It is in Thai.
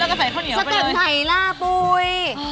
อ้าวกาญ่างข้าวเหนียวด้วยมั้ย